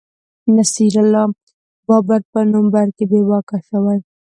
نصیر الله بابر په نومبر کي بې واکه شوی